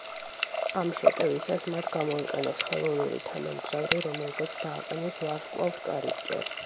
ამ შეტევისას მათ გამოიყენეს ხელოვნური თანამგზავრი, რომელზეც დააყენეს ვარსკვლავთკარიბჭე.